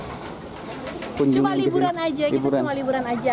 cuma liburan aja gitu cuma liburan aja